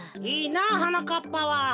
いいなはなかっぱは。